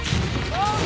あっ！